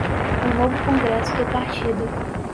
um novo Congresso do Partido